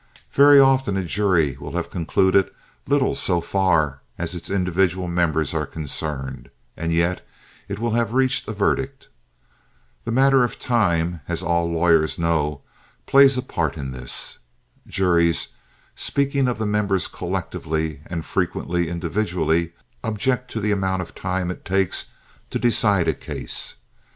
Very often a jury will have concluded little so far as its individual members are concerned and yet it will have reached a verdict. The matter of time, as all lawyers know, plays a part in this. Juries, speaking of the members collectively and frequently individually, object to the amount of time it takes to decide a case.